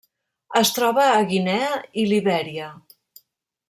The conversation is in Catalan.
Es troba a Guinea i Libèria.